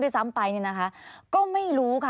สวัสดีครับทุกคน